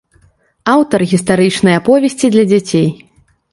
Аўтар гістарычнай аповесці для дзяцей.